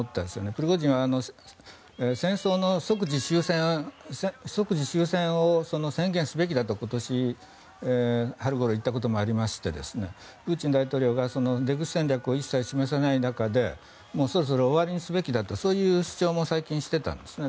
プリゴジンは戦争の即時終戦を宣言すべきだと、今年春ごろ言ったこともありましてプーチン大統領が出口戦略を一切示さない中でそろそろ終わりにすべきだとそういう主張も最近してたんですね。